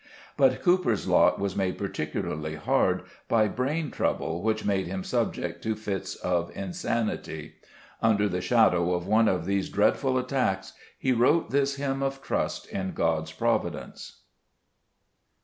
But Cowper's lot was made particu larly hard by brain trouble which made him subject to fits of insanity. Under the shadow of one of these dreadful attacks he wrote this hymn of trust in God's providence.